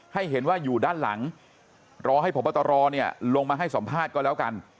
ให้เห็นว่าอยู่ด้านหลังรอให้พบตรลงมาให้สัมภาษณ์ก็แล้วกัน